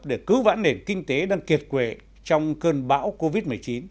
để cứu vãn nền kinh tế đang kiệt quệ trong cơn bão covid một mươi chín